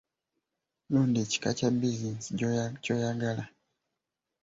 Londa ekika kya bizinensi ky'oyagala.